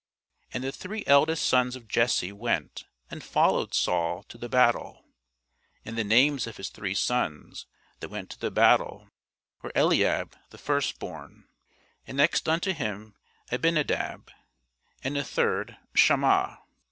And the three eldest sons of Jesse went and followed Saul to the battle: and the names of his three sons that went to the battle were Eliab the firstborn, and next unto him Abinadab, and the third Shammah.